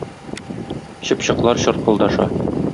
Чыпчыклар чыркылдаша.